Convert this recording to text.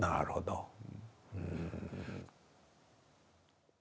うん。